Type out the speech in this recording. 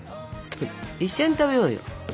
一緒に食べようよ。